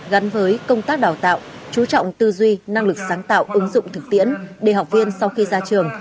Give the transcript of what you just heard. gắn với công tác đào tạo chú trọng tư duy năng lực sáng tạo ứng dụng thực tiễn để học viên sau khi ra trường